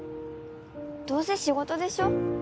どうせ仕事でしょ？